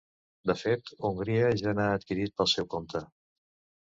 De fet, Hongria ja n’ha adquirit pel seu compte.